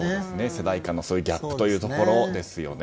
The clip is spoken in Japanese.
世代間のギャップというところですね。